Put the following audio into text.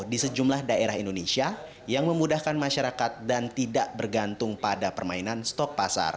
di sejumlah daerah indonesia yang memudahkan masyarakat dan tidak bergantung pada permainan stok pasar